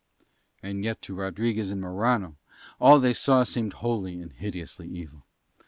And yet to Rodriguez and Morano all that they saw seemed wholly and hideously evil.